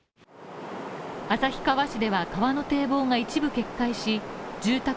旭川市では川の堤防が一部決壊し住宅